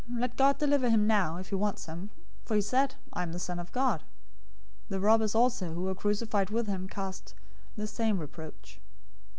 Let God deliver him now, if he wants him; for he said, 'I am the Son of God.'" 027:044 The robbers also who were crucified with him cast on him the same reproach.